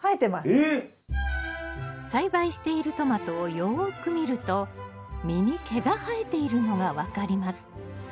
えっ！栽培しているトマトをよく見ると実に毛が生えているのが分かります。